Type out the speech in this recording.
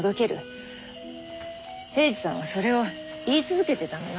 精二さんはそれを言い続けてたのよ。